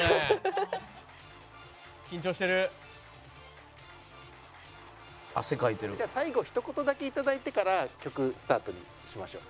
「緊張してる」「汗かいてる」じゃあ最後ひと言だけ頂いてから曲スタートにしましょう。